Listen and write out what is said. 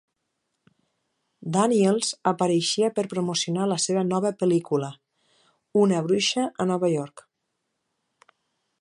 Daniels apareixia per promocionar la seva nova pel·lícula, "Una bruixa a Nova York".